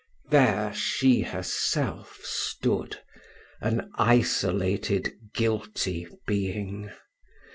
There she herself stood, an isolated guilty being.